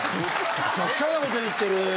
むちゃくちゃな事言ってる。